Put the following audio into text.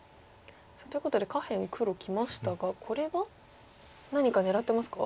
ということで下辺黒きましたがこれは何か狙ってますか？